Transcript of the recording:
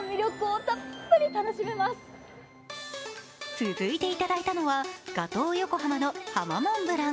続いていただいたのはガトーよこはまのはまモンブラン。